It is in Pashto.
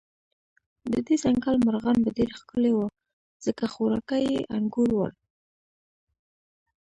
د دې ځنګل مرغان به ډېر ښکلي و، ځکه خوراکه یې انګور ول.